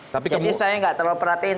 jadi saya gak terlalu perhatiin